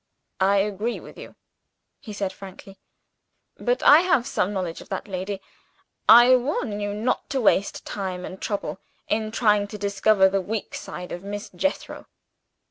"I agree with you," he said frankly. "But I have some knowledge of that lady. I warn you not to waste time and trouble in trying to discover the weak side of Miss Jethro."